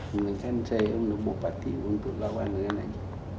menggunakan saya menumbuh parti untuk melawan najib